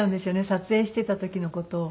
撮影してた時の事を。